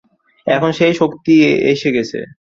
এখন সেই শক্তি এসে গেছে।